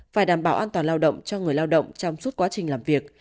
phải đảm bảo an toàn lao động cho người lao động trong suốt quá trình làm việc